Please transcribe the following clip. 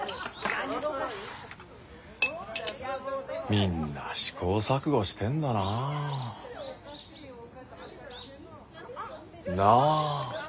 みんな試行錯誤してんだなあ。なあ？